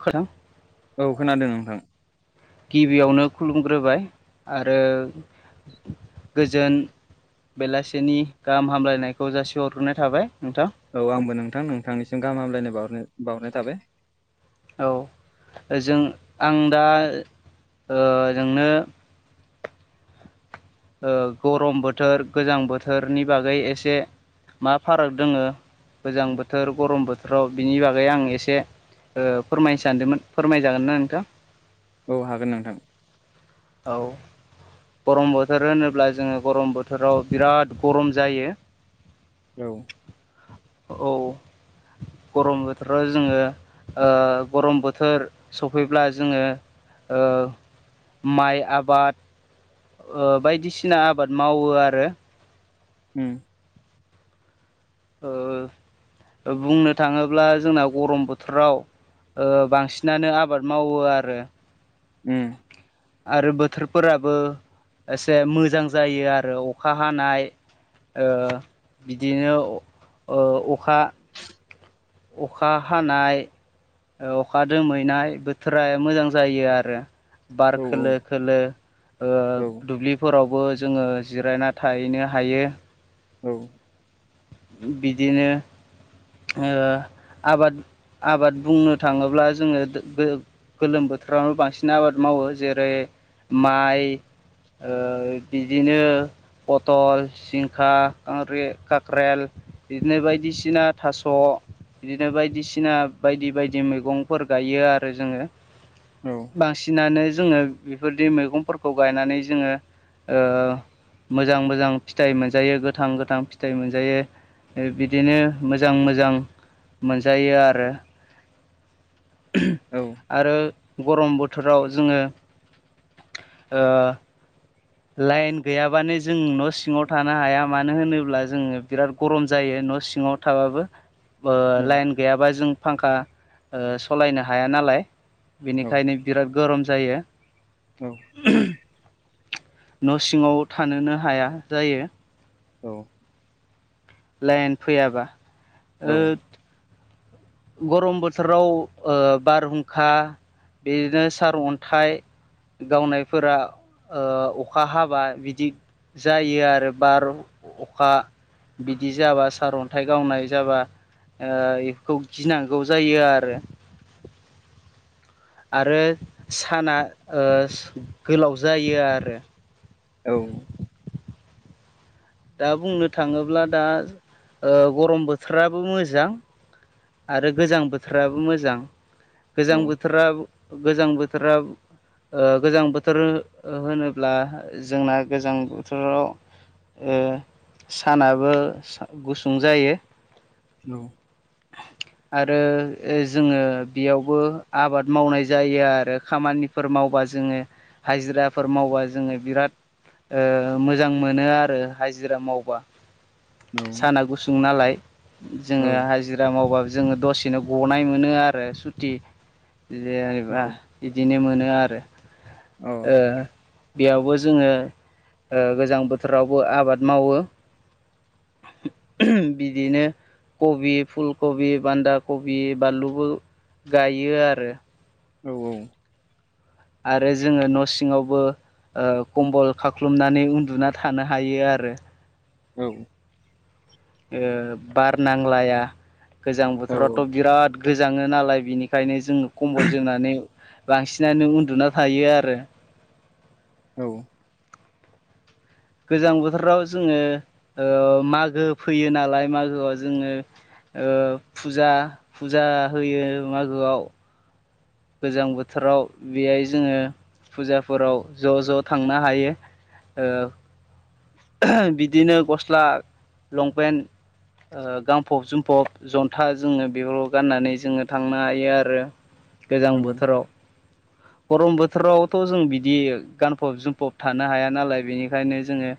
खोरां औ खोनादों नोंथां। गिबियावनो खुलुमग्रोबाय आरो गोजोन बेलासेनि गाहाम हामलायनायखौ जासिहरग्रोनाय थाबाय नोंथां। औ आंबो नोंथां नोंथांनिसिम गाहाम हामलायनाय बावहर बावहरनाय थाबाय। औ जों आं दा ओ नोंनो ओ गरम बोथोर गोजां बोथोरनि बागै एसे मा फाराग दोंङो गोजां बोथोर गरम बोथोराव बिनि बागै आं एसे ओ फोरमायनो सानदोंमोन फोरमायजागोन ना नोंथां। औ हागोन नोंथां। औ गरम बोथोर होनोब्ला जोङो गरम बोथोराव बिराद गरम जायो। औ औ गरम बोथोराव जोङो ओ गरम बोथोर सफैब्ला जोङो ओ माइ आबाद ओ बायदिसिना आबाद मावो आरो। ओम ओ बुंनो थाङोब्ला जोंना गरम बोथोराव ओ बांसिनानो आबाद मावो आरो। ओम आरो बोथोरफोराबो एसे मोजां जायो आरो अखा हानाय ओ बिदिनो अखा [unintelligible] अखा हानाय ओ अखा दोमहैनाय बोथोरा मोजां जायो आरो। बार औ खोलो खोलो ओ औ दुब्लि फोरावबो जोङो जिरायना थाहैनो हायो। औ बिदिनो ओ आबाद आबाद बुंनो थाङोब्ला जोङो गोलोम बोथोरावनो बांसिन आबाद मावो जेरै माइ ओ बिदिनो पथल जिंखा खांख्रि ख्रेल बिदिनो बायदिसिना थास' बिदिनो बायदिसिना बायदि बायदि मैगंफोर गायो आरो जोङो औ बांसिनानो जोङो बेफोरदि मैगंफोरखौ गायनानै जोङो ओ मोजां मोजां फिथाइ मोनजायो गोथां गोथां फिथाइ मोनजायो ओ बिदिनो मोजां मोजां मोनजायो आरो। औ [unintelligible] आरो गरम बोथोराव जोङो लाइन गैयाबानो जों न' सिङाव थानो हाया मानो होनोब्ला जोङो बिराद गरम जायो न' सिङाव थाबाबो ओ लाइन गैयाबा जों फांखा सालायनो हाया नालाय औ बेनिखायनो बिराद गरम जायो औ न' सिङाव थानोनो हाया जायो औ लाइन फैयाबा औ गरम बोथोराव बारहुंखा बिदिनो सार अन्थाइ गावनायफोरा अखा हाबा बिदि जायो आरो बार अखा बिदि जाबा सारअन्थाइ गावनाय जाबा खौ गिनांगौ जायो आरो आरो साना गोलाव जायो आरो औ दा बुंनो थाङोब्ला दा गरम बोथोराबो मोजां आरो गोजां बोथोराबो मोजां गोजां औ बोथोरा गोजां बोथोरा ओ गोजां बोथोर होनोब्ला जोंना गोजां बोथोराव ओ सानाबो गुसुं जायो औे [unintelligible] आरो जोङो बेयावबो आबाद मावनाय जायो आरो खामानि फोर मावबा जोङो हाजिराफोर मावबा जोङो बिराद ओ मोजां मोनो आरो हाजिरा मावबा उम साना गुसुं नालाय औ जोङो हाजिरा मावबा जोङो दसेनो ग'नाय मोनो आरो सुति जेनेबा बिदिनो मोनो आरो ओ बेयावबो जोङो ओ गोजां बोथोरावबो आबाद मावो बिदिनो कबि, फुलकबि, बान्दा कबि बानलुबो गायो आरो औ औ आरो जोङो न' सिङावबो ओ कम्बल खाख्लुमनानै उन्दुना थानो हायो आरो औ ओ बार नांलाया गोजां बोथोरावथ' बिराद गोजाङो नालाय बिनिखायनो जोङो कम्बल जोंनानै बांसिनानो उन्दुना थायो आरो औ गोजां बोथोराव जोङो ओ मागो फैयो नालाय मागोआव जोङो ओ फुजा फुजा होयो मागोआव गोजां बोथोराव बेहाय जोङो फुजाफोराव ज'ज' थांनो हायो ओ बिदिनो ग'स्ला लंपेन्ट ओ गांफब-जोमफब ज'न्था जोङो बेफोर गाननानै जोङो थांनो हायो आरो गोजां बोथोराव [unintelligible] गरम बोथोरावथ' जों बिदि गानफब-जोमफब थानो हाया नालाय बेनिखायनो जोङो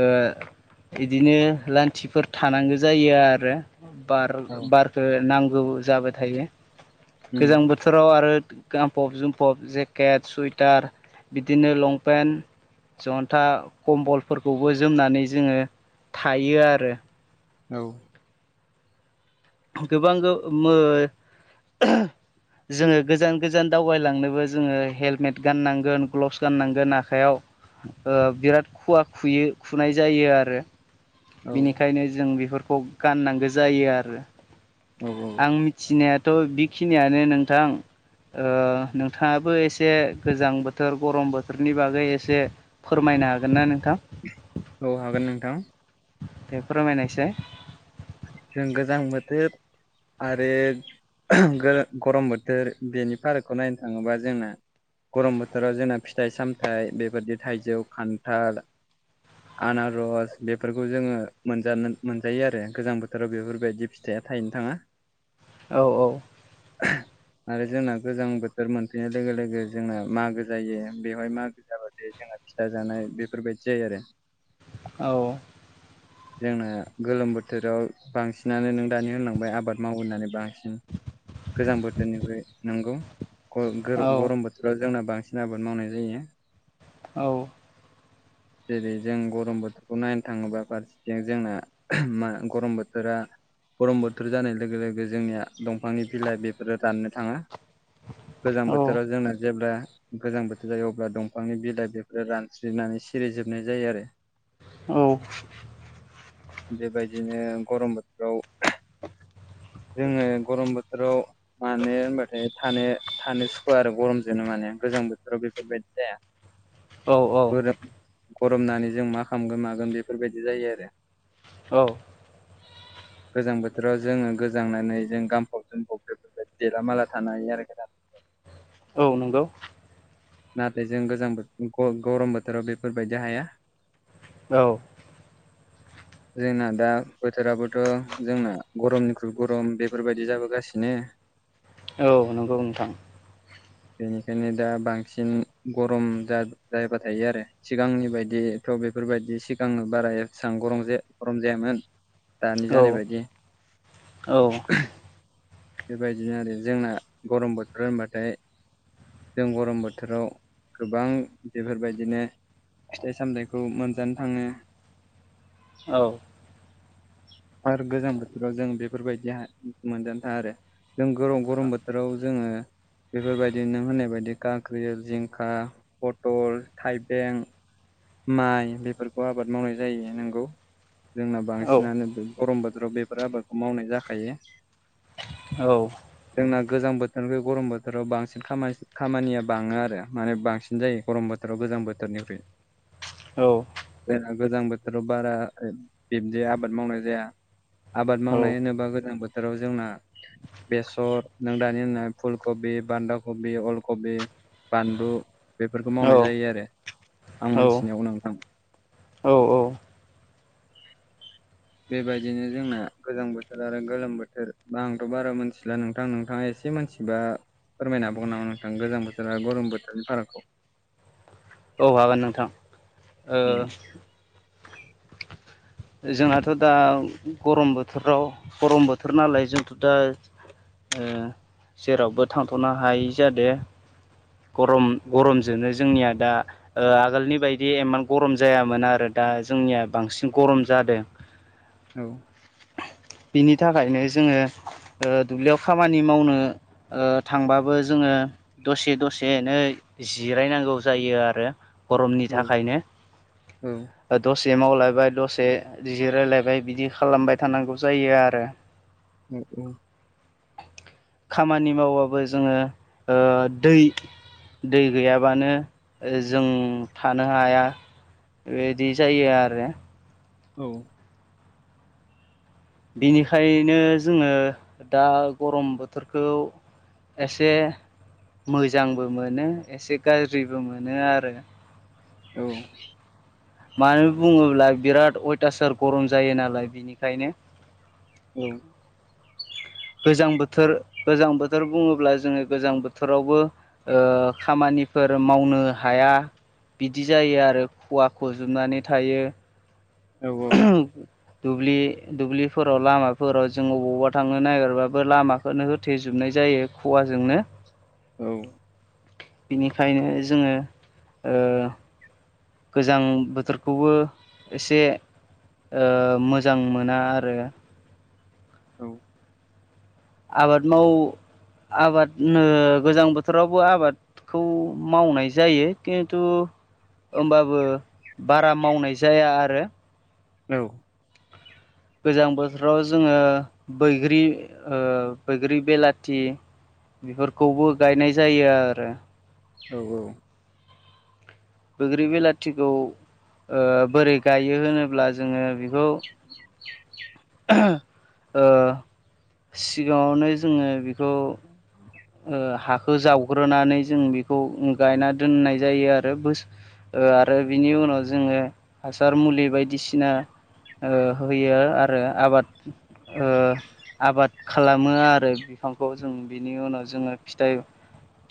ओ इदिनो लान्थिफोर थानांगो जायो आरो बार बारखो नांगौ जाबाय थायो गोजां बो थोराव आरो गानफब-जोमफब जेकेट, सुइटार बिदिनो लंपेन्ट ज'न्था कम्बलफोरखौबो जोमनानै जोङो थायो आरो औ। गोबां गो मो जोङो गोजान गोजान दावबायलांनोबो जोङो हेलमेट गाननांगोन ग्ल'बस गाननांगोन आखायाव ओ बिराद खुवा खुयो खुनाय जायो आरो औ बिनिखायनो जों बेफोरखौ गाननांगो जायो आरो औ आं मिथिनायाथ' बिखिनियानो नोंथां ओ नोंथाङाबो एसे गोजां बोथोर गरम बोथोरनि बागै एसे फोरमायनो हागोन ना नोंथां औ हागोन नोंथां दे फोरमायनायसै जों गोजां बोथोर आरो गो गरम बोथोर बेनि फारागखौ नायनो थाङोबा जोंना गरम बोथोराव जोंना फिथाइ-सामथाय बेबादि थाइजौ खान्थाल आनारस बेफोरखौ जोङो मोनजा मोनजायो आरो गोजां बो राव बेफोरबायदि फिथाइया थायनो थाङा औ औ [unintelligible] आरो जोंना गोजां बोथोर मोनफैनाय लोगो-लोगो जोंना मागो जायो बेवहाय मागो जा जोंना फिथा जानाय बेफोरबायदि जायो आरो औ जोंनो गोलोम बोथोराव बांसिनानो नों दानि होनलांबाय आबाद मावो होननानै बा गोजां बोथोरनिफ्राय नंगौ ग औ गोरो गरम बोथोर फ्राव जोंना बांसिन आबाद मावनाय जायो। औ। जेरै जों गरम बोथोरखौ नायनो थाङोबा फार जों जोंना मा गरम बोथोरा गरम बोथोर जानाय लोगो लोगो जोंनिया दंफांनि बिलाय बेफोरो राननो थाङो। गोजां औ बोथोराव जोंना जेब्ला गोजां बोथोर जायो अब्ला दंफांनि बिलाय बेफोर रानस्रिनानै सिरिजोबनाय जायो आरो। औ। बेबायदिनो गरम बोथोराव जोङो गरम बोथोराव मानो होनबाथाय थानो थानो सुखुव आरो गरमजोंनो माने गोजां बोथोराव बेफोरबायदि जाया। औ गोरो गरमनानै जों मा खालामगोन मागोन बेफोरबायदि जायो आरो। औ। गोजां बोथोराव जोङो गोजांनानै जों गानफब जोमफब बेफोरबायदि देलामाला थानो हायो आरो। औ नंगौ। नाथाय जों गोजां बोथोर ग-गरम बोथोराव बेफोरबायदि हाया। औ। जोंना दा बोथोराबोथ' जोंना गरमनिख्रुय गरम बेफोरबायदि जाबोगासिनो। औ नंगौ नोंथां। बेनिखायनो दा बांसिन गरम जा-जाबाय थायो आरो। सिगांनि बायदिथ' बेफोरबायदि सिगांनो बारा एसां गरम जाया गरम जायामोन। दानि औ जानाय बायदि। औ बेबायदिनो आरो जोंना गरम बोथोर होनबाथाय। जों गरम बोथोराव गोबां बेफोरबायदिनो फिथाय सामथायखौ मोनजानो थाङो। औ। आरो गोजां बोथोराव जों बेफोरबायदिहाय मोनजानो थाङा आरो। जों गरम गरम बोथोराव जोङो बेफोरबायदि नों होननाय बायदि गाख्रियो जिंखा पटल थायबें। माय बेफोरखौ आबाद मावनाय जायो नोंगौ जोंना औ बांसिनानो बै गरम बोथोराव बेफोर आबादखौ मावनाय जाखायो। औ। जोंना गोजां बोथोरनिफाय गरम बोथोराव बांसिन खामानि खामानिया बाङो आरो माने बांसिन जायो गरम बो थोराव गोजां बोथोरनिफ्राय। औ। जोंना गोजां बोथोराव बारा बिब्दि आबाद मावनाय जाया। आबाद मावनाय होनोबा गोजां बोथोराव जोंना बेसर नों दानि होननाय फुल कबि बान्दा कबि अल कबि। बानलु बेफोरखौ मावनाय जायो आरो आं मोनथिनायाव नोंथां। औ बेबायदिनो जोंना गोजां बोथोर आरो गोलोम बोथोर बा आंथ' बारा मोनथिला नोंथां नोंथाङा एसे मोनथि एबा फोरमायनो हाबावगोन नामा नोंथां गोजां बोथोर आरो गरम बोथोरनि फारागखौ। औ हागोन नोंथां ओ औ जोंनाथ' दा गरम बोथोराव गरम बोथोर नालाय जोंथ' दा ओ जेरावबो थांथ'नो हायै जादो। गरम गरमजोंनो जोंनिया दा ओ आगोलनि बायदि एमान गरम जायामोन आरो दा जोंनिया बांसिन गरम जादों। औ। बिनि थाखायनो जोङो ओ दुब्लियाव खामानि मावनो ओ थांबाबो जोङो दसे दसेनो जिरायनांगौ जायो आरो। गरमनि औ औ थाखायनो दसे मावलायबाय दसे जिरायलायबाय बिदि खालामबाय थानांगौ जायो आरो। उम औ। खामानि मावबाबो जोङो ओ दै दै गैयाबानो जों थानो हाया। बेदि जायो आरो। औ। बिनिखायनो जोङो दा गरम बोथोरखौ एसे मोजांबो मोनो एसे गाज्रिबो मोनो आरो। औ। मानो बुङोब्ला बिराद अयथासार गरम जायो नालाय बिनिखायनो औ। गोजां बोथोर गोजां बोथोर बुङोब्ला जोङो गोजां बोथोरावबो ओ खामानिफोर मावनो हाया। बिदि जायो आरो खवा खुजोबनानै थायो। औ दुब्लि दुब्लिफोराव लामाफोराव जों अबावबा थांनो नागिरबाबो लामा नो होथेेजोबनाय जायो खुवाजोंनो। औ। बिनिखायनो जोङो ओ गोजां बोथोरखौबो एसे ओ मोजां मोना आरो। औ। आबाद माव आबाद नो गोजां बोथोरावबो आबाद खौ मावनाय जायो खिन्थु ओमबाबो बारा मावनाय जाया आरो। औ। गोजां बोथोराव जोङो बैग्रि ओ बैग्रि बेलाथि बेफोरखौबो गायनाय जायो आरो। औ औ। बग्रि बिलाथिखौ बोरै गायो होनोब्ला जोङो बेखौ सिगाङावनो जोङो बेखौ हाखौ जावग्रोनानै जों बेखौ गायना दोननाय जायो आरो ब आरो बिनि उनाव जोङो हासार मुलि बायदिसिना होयो आरो आबाद आबाद खालामो आरो बिफांखौ जों बिनि उनाव जोङो फिथाइ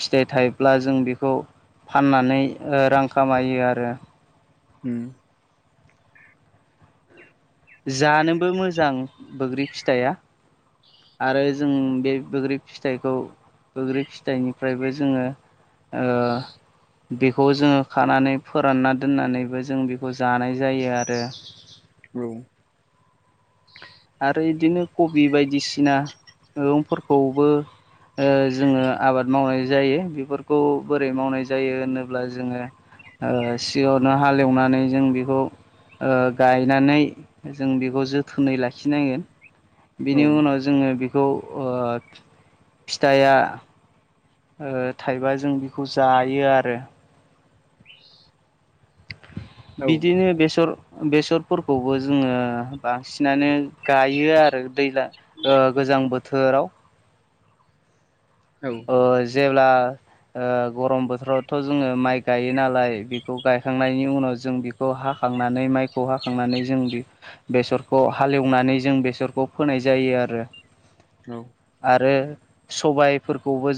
फिथाइ थायोब्ला जों बेखौ फाननानै रां खामायो आरो [unintelligible] जानोबो मोजां बग्रि फिथाइया आरो जों बे बग्रि फिथाइखौ गोग्रिै फिथाइनिफ्रायबो जोङो बेखौ जोङो खानानै फोरानना दोननानैबो जों बेखौ जानाय जायो आरो औ आरो बिदिनो कबि बायदिसिना मैगंफोरखौबो ओ जोङो आबाद मावनाय जायो बेफोरखौ बोरै मावनाय जायो होनोब्ला जोङो सिरनो हालेवनानै जों बेखौ ओ गायनानै जों बेखौ जोथोनै लाखायो आखिनांगोन बिनि उनाव जोङो बेखौ फिथाइया थाइबा जों बेखौ जायो आरो बिदिनो बेसर बेसरफोरखौबो जोङो बांसिनानो गायो आरो दै्लाां गोजां बोथोराव औ अ जेब्ला गरम बोथोरावथ' जोङो माइ गायो नालाय बेखौ गायखांनायनि उनाव जों बेखौ खौ हाखांनानै माइखौ हाखांनानै जों बे बेसरखौ हालेवनानै जों बेसरखौ फोनाय जायो आरो औ आरो सबायफोरखौबो जों